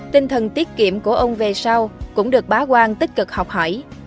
tinh thần tiết kiệm của ông về sau cũng được bá quang tích cực học hỏi